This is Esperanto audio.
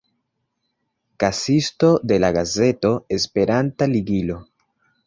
Kasisto de la gazeto Esperanta Ligilo.